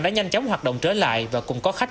đã nhanh chóng hoạt động trở lại và cùng có khách